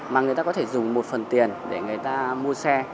mà người ta có thể dùng một phần tiền để người ta mua xe